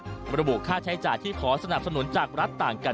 ที่สามารถเงินเจ้าทนะ